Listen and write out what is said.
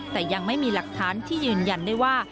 แต่ยังไม่มีหลักฐานที่ยืนยันได้ว่า